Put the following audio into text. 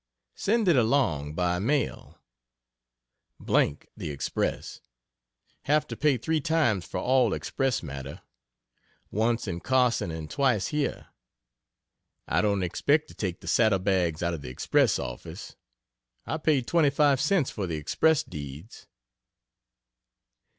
Send it along by mail d n the Express have to pay three times for all express matter; once in Carson and twice here. I don't expect to take the saddle bags out of the express office. I paid twenty five cts. for the Express deeds.